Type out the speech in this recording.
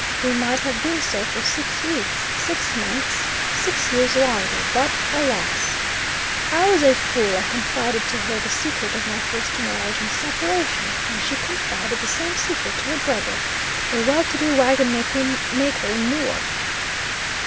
We might have been so for six weeks, six months, six years longer; but alas! I was a fool I confided to her the secret of my first marriage, and separation, and she confided the same secret to her brother, a well to do wagon maker in Newark.